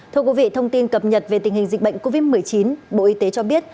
thưa quý vị thông tin cập nhật về tình hình dịch bệnh covid một mươi chín bộ y tế cho biết